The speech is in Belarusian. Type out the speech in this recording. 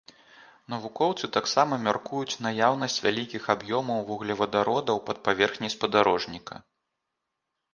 Навукоўцы таксама мяркуюць наяўнасць вялікіх аб'ёмаў вуглевадародаў пад паверхняй спадарожніка.